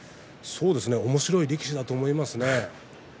おもしろい力士だと思いますね。